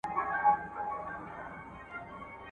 زه له خپلو تېروتنو زده کړه کوم.